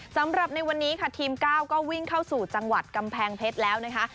สำหรับในวันนี้ค่ะทีม๙ก็วิ่งเข้าสู่จังหวัดกำแพงเพชรแล้วนะคะ